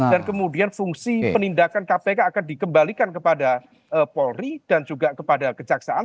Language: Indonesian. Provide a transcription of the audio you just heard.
dan kemudian fungsi penindakan kpk akan dikembalikan kepada polri dan juga kepada kejaksaan